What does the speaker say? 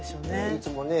いつもね